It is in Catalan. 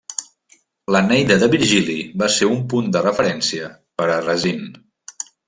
L'Eneida de Virgili va ser un punt de referència per a Racine.